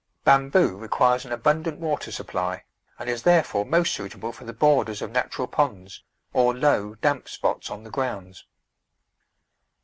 Bamboo requires an abundant water supply, and is therefore most suitable for the borders of natural ponds, or low, damp spots on the grounds.